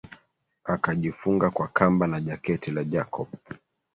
Akajifunga kwa Kamba na jaketi la Jacob